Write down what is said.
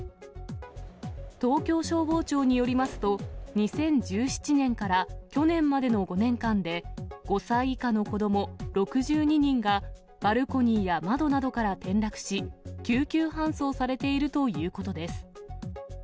東京消防庁によりますと、２０１７年から去年までの５年間で、５歳以下の子ども６２人が、バルコニーや窓などから転落し、救急搬送されているということです。